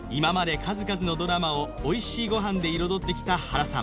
数々のドラマをおいしいご飯で彩ってきたはらさん